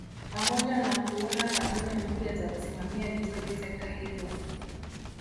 Pamoja na kuunda kanuni mpya za kusimamia vizuri sekta hizo